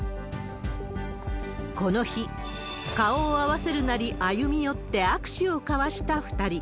この日、顔を合わせるなり、歩み寄って握手を交わした２人。